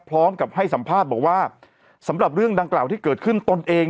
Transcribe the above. พร้อมกับให้สัมภาษณ์บอกว่าสำหรับเรื่องดังกล่าวที่เกิดขึ้นตนเอง